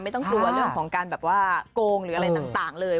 ไม่ต้องกลัวเรื่องของกลงหรืออะไรต่างเลย